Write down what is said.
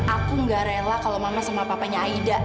aku gak rela kalau mama sama papanya aida